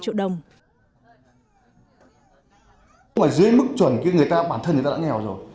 không phải dưới mức chuẩn người ta bản thân đã nghèo rồi